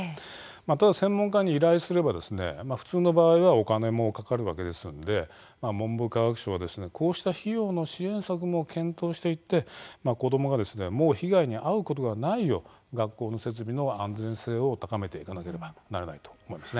ただ、専門家に依頼すれば普通の場合はお金もかかるわけですので文部科学省は、こうした費用の支援策も検討していって子どもが、もう被害に遭うことがないよう、学校の設備の安全性を高めていかなければならないと思います。